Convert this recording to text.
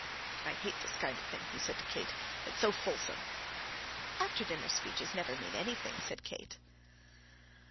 "I hate all this kind of thing," he said to Kate. "It's so fulsome." "After dinner speeches never mean anything," said Kate.